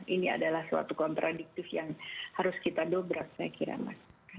ini adalah suatu komprediktif yang harus kita dobra saya kira kira